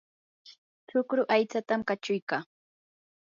chukru aytsata kachuykaa.